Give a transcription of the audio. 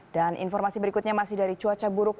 dan informasi berikutnya masih dari cuaca buruk